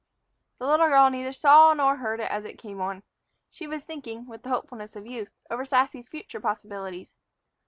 The little girl neither saw nor heard it as it came on. She was thinking, with the hopefulness of youth, over Sassy's future possibilities.